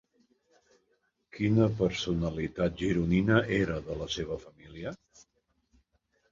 Quina personalitat gironina era de la seva família?